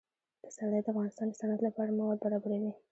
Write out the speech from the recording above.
پسرلی د افغانستان د صنعت لپاره مواد برابروي.